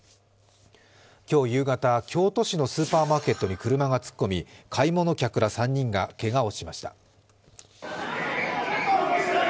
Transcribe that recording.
今日夕方、京都市のスーパーマーケットに車が突っ込み、買い物客ら３人がけがをしました。